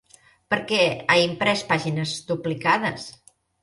Per què ha imprès pàgines duplicades?